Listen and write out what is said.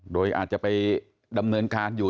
โดยอาจจะไปดำเนินการอยู่